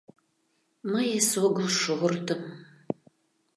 Мый эсогыл шортым.